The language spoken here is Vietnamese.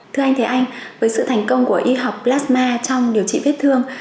thưa anh thế anh với sự thành công của y học plasma trong điều trị vết thương